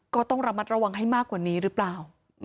ก็ต้องระมัดระวังให้มากกว่านี้หรือเปล่า